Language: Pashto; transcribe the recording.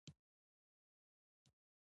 نوی لیکوال نوې دنیا معرفي کوي